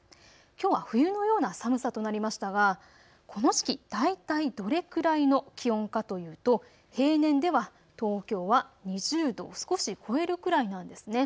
きょうは冬のような寒さとなりましたがこの時期、大体どれくらいの気温かというと平年では東京は２０度を少し超えるくらいなんですね。